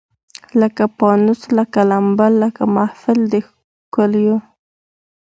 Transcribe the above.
لکه پانوس لکه لمبه لکه محفل د ښکلیو